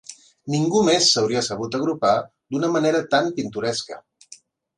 Ningú més s'hauria sabut agrupar d'una manera tan pintoresca